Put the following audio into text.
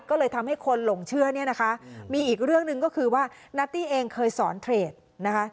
ก็เลยทำให้คนหลงเชื่อเนี่ยนะคะมีอีกเรื่องหนึ่งก็คือว่านัตตี้เองเคยสอนเทรดนะคะ